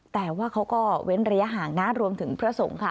แต่ว่าเขาก็เว้นระยะห่างนะรวมถึงพระสงฆ์ค่ะ